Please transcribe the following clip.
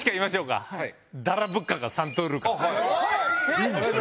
いいんですか？